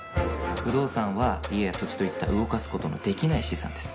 不動産は家や土地といった動かす事のできない資産です。